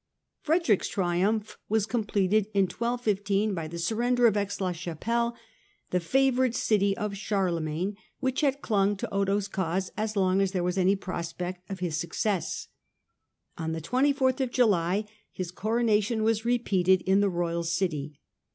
Frederick's triumph was completed in 1215 by the surrender of Aix la Chapelle, the favoured city of Charle magne, which had clung to Otho's cause as long as there was any prospect of his success. On the 24th of July his Coronation was repeated in the royal city.